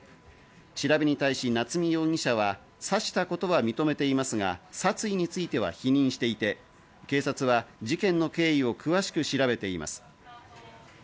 調べに対し夏見容疑者は刺したことは認めていますが、殺意については否認していて、警察は事件の経緯を詳しく調べています。